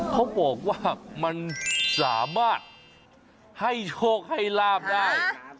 เขาบอกว่ามันสามารถให้โชคให้ลาบได้